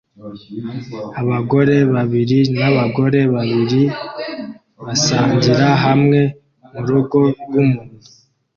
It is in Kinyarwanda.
Abagore babiri nabagore babiri basangira hamwe murugo rwumuntu